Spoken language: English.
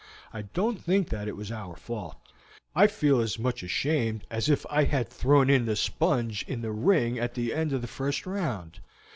I don't think that it was our fault. I feel as much ashamed as if I had thrown up the sponge in the ring at the end of the first round.